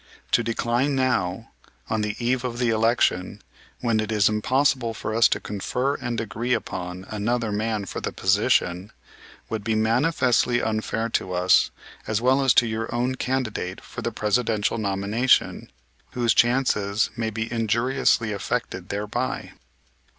To decline now, on the eve of the election, when it is impossible for us to confer and agree upon another man for the position, would be manifestly unfair to us as well as to your own candidate for the Presidential nomination, whose chances may be injuriously affected thereby."